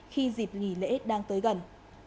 khi dịp nghỉ lễ đang kết thúc